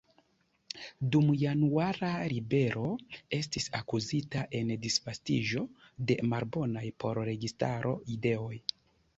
Dum Januara ribelo estis akuzita en disvastiĝo de "malbonaj por registaro" ideoj.